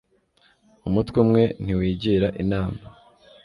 umutwe umwe ntiwigira inama